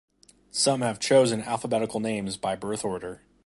Some have chosen alphabetical names by birth order.